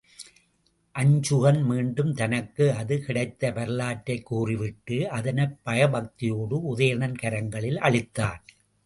அருஞ்சுகன் மீண்டும் தனக்கு அது கிடைத்த வரலாற்றைக் கூறிவிட்டு, அதனைப் பயபக்தியோடு உதயணன் கரங்களில் அளித்தான்.